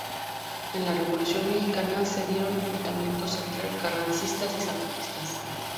En la Revolución Mexicana se dieron enfrentamientos entre Carrancistas y Zapatistas.